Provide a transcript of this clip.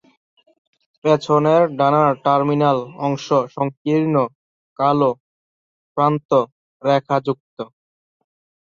পিছনের ডানার টার্মিনাল অংশ সংকীর্ণ কালো প্রান্ত রেখা যুক্ত।